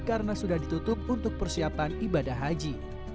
karena sudah ditutup untuk persiapan ibadah haji